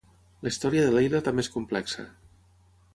La història de Leila també és complexa.